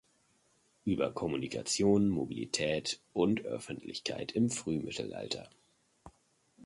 Über Kommunikation, Mobilität und Öffentlichkeit im Frühmittelalter".